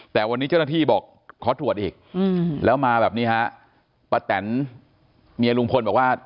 แต่วันนี้เจ้าหน้าที่บอกขอตรวจอีกแล้วมาแบบนี้ฮะป้าแตนเมียลุงพลบอกว่า